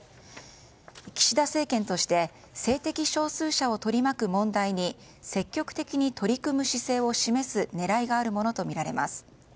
岸田政権として性的少数者を取り巻く問題に積極的に取り組む姿勢を示す狙いがあるものとみられます。